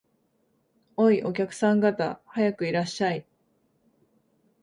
おい、お客さん方、早くいらっしゃい